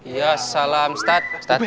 ya salam start